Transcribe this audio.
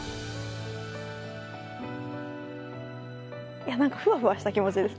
いや何かふわふわした気持ちです。